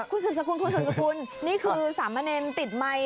คุณสุสคุณนี่คือสามเมรนดิ์ติดไมค์